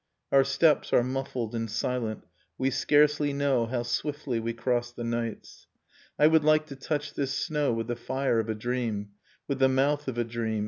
. Our steps are muffled and silent, we scarcely know How swiftly we cross the nights. I would like to touch this snow with the fire of a dream, With the mouth of a dream.